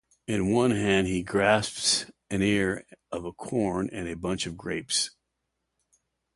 In one hand he grasps an ear of corn and a bunch of grapes.